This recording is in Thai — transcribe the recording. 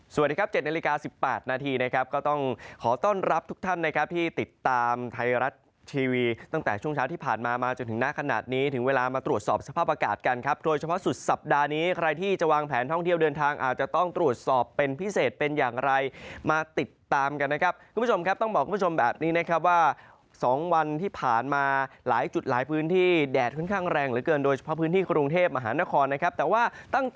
สวัสดีครับ๗นาฬิกา๑๘นาทีนะครับก็ต้องขอต้อนรับทุกท่านนะครับที่ติดตามไทยรัฐทีวีตั้งแต่ช่วงเช้าที่ผ่านมามาจนถึงหน้าขนาดนี้ถึงเวลามาตรวจสอบสภาพอากาศกันครับโดยเฉพาะสุดสัปดาห์นี้ใครที่จะวางแผนท่องเที่ยวเดินทางอาจจะต้องตรวจสอบเป็นพิเศษเป็นอย่างไรมาติดตามกันนะครับคุณ